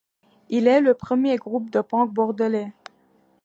Il est le premier groupe de punk bordelais.